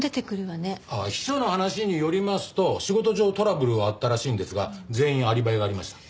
秘書の話によりますと仕事上トラブルはあったらしいんですが全員アリバイがありました。